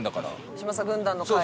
嶋佐軍団の会に。